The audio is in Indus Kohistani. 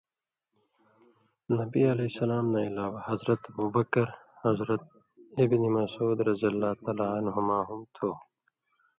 نبی علیہ السلام نہ عِلاوہ حضرت ابوبکر، حضرت ابن مسعود رض عنھما ہُم تھو۔